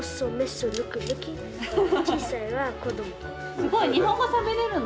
すごい日本語しゃべれるの？